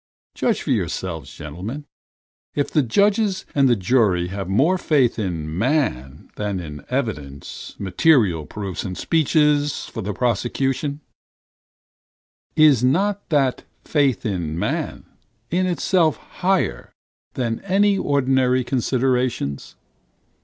Judge for yourselves, gentlemen; if the judges and the jury have more faith in man than in evidence, material proofs, and speeches for the prosecution, is not that faith in man in itself higher than any ordinary considerations?